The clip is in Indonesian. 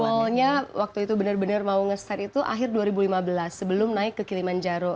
awalnya waktu itu benar benar mau nge set itu akhir dua ribu lima belas sebelum naik ke kilimanjaro